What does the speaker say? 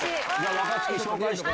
若槻紹介して。